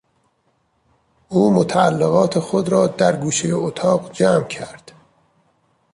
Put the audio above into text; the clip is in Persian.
او متعلقات خود را در گوشهی اتاق جمع کرد.